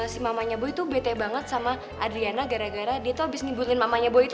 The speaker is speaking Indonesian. si mamanya boy tuh bete banget sama adriana gara gara dia tuh abis ngibulin mamanya boy itu